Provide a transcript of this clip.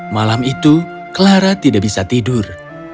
malam itu clara tidak bisa tidur